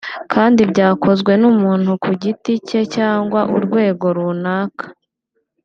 kandi byakozwe n’umuntu ku giti cye cyangwa urwego runaka